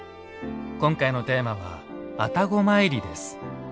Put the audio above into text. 今回のテーマは「愛宕詣り」です。